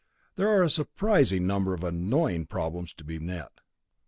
There are a surprising number of annoying problems to be met.